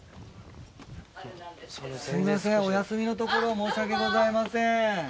すいませんお休みのところ申し訳ございません。